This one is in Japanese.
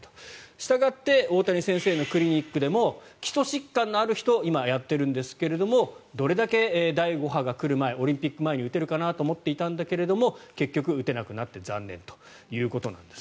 したがって大谷先生のクリニックでも基礎疾患のある人に今やってるんですけどどれだけ第５波が来る前オリンピック前に打てるかなと思っていたんだけども結局打てなくなって残念ということです。